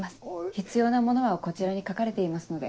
必要なものはこちらに書かれていますので。